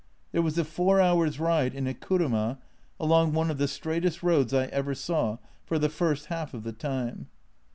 There was a four hours' ride in a kurunuij along one of the straightest roads I ever saw, for the first half of the time.